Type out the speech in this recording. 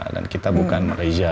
dan kita bukan malaysia